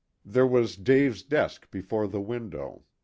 There was Dave's desk before the window.